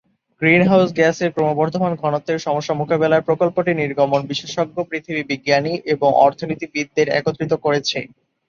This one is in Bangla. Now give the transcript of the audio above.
গ্রিনহাউস গ্যাস এর ক্রমবর্ধমান ঘনত্বের সমস্যা মোকাবেলায় প্রকল্পটি নির্গমন বিশেষজ্ঞ, পৃথিবী বিজ্ঞানী এবং অর্থনীতিবিদদের একত্রিত করেছে।